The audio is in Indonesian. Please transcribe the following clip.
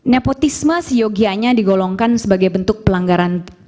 nepotisme seyogianya digolongkan sebagai bentuk pelanggaran